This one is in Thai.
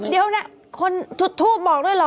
เดี๋ยวนะคนจุดทูปบอกด้วยเหรอ